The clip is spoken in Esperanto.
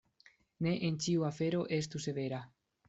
Ne en ĉiu afero estu severa.